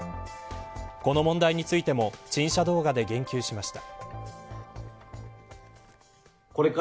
この問題についても陳謝動画で言及しました。